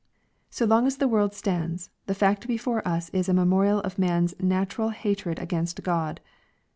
So long as the world stands the fact before us is a memorial QL.maii!s natural hatred against God.